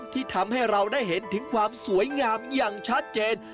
ที่ทำให้เราได้เห็นถึงความสวยงามอย่างชัดเจน